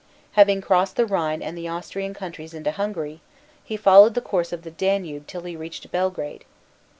Having crossed the Rhine and the Austrian countries into Hungary, he followed the course of the Danube till he reached Belgrade.